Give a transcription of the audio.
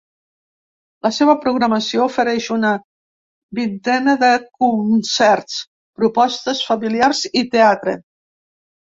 La seva programació ofereix una vintena de concerts, propostes familiars i teatre.